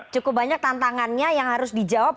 cukup banyak tantangannya yang harus dijawab